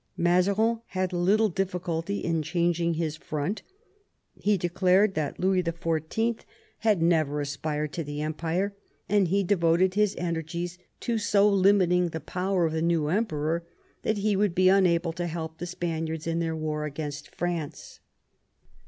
Mazarin had little difficulty in changing his front. He declared that Louis XIV. had never 140 MAZARIN chap. aspired to the Empire, and he devoted his energies to so limiting the power of the new Emperor that he would be unable to help the Spaniards in their war against France.